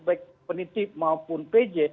baik penitip maupun pj